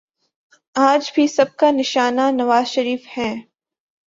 آج بھی سب کا نشانہ نوازشریف ہیں۔